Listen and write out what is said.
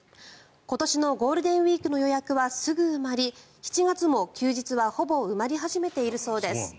今年のゴールデンウィークの予約はすぐ埋まり７月も休日はほぼ埋まり始めているそうです。